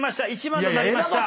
１番となりました。